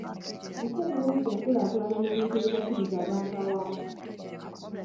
Biki ebiremesa enkulaakulana mu bintu ebigasiriza abantu awamu?